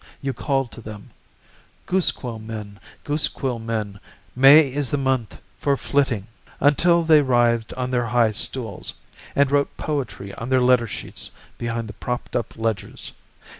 You called to them: "Goose quill men, goose quill men, May is a month for flitting," Until they writhed on their high stools And wrote poetry on their letter sheets behind the propped up ledgers.